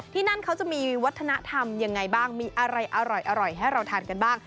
ที่นั่นเขาจะมีวัฒนธรรมยังไงบ้างมีอะไรอร่อยให้เราทานกันบ้าง